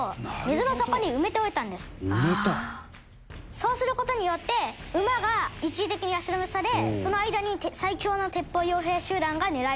そうする事によって馬が一時的に足止めされその間に最強の鉄砲傭兵集団が狙い撃ちをする。